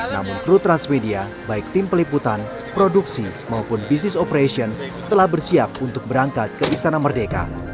namun kru transmedia baik tim peliputan produksi maupun bisnis operation telah bersiap untuk berangkat ke istana merdeka